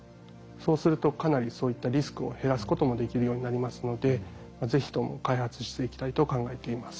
そうするとかなりそういったリスクを減らすこともできるようになりますので是非とも開発していきたいと考えています。